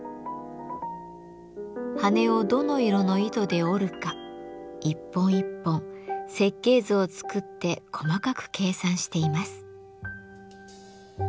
羽をどの色の糸で織るか一本一本設計図を作って細かく計算しています。